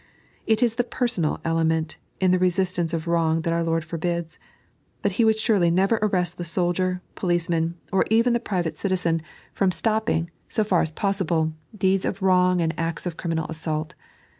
It is the pwsonai element iu the resistance of wrong that our liOrd forbids ; but He would surely never arrest the soldier, policeman, or even the private citizen, from 3.n.iized by Google "Without Malice." 79 stopping, BO far as possible, deeds of wrong and acts of criminal assault.